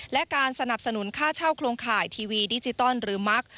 และการสนับสนุนค่าเช่าโครงข่ายทีวีดิจิตอลหรือมัก